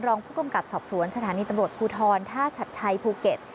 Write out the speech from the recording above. รองผู้กำกับสอบสวนสถานีตำรวจภูทรท่าชัดชัยภูเก็ต